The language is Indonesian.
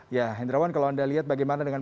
ya hendrawan kalau anda lihat bagaimana dengan